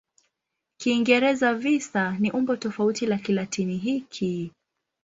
Kiingereza "visa" ni umbo tofauti la Kilatini hiki.